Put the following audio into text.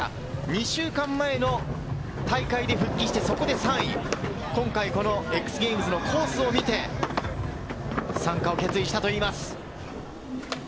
２週間前の大会で復帰してそこで３位、今大会でコースを見て、参加を決意したといいます。